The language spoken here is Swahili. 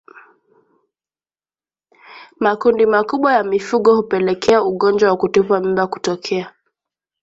Makundi makubwa ya mifugo hupelekea ugonjwa wa kutupa mimba kutokea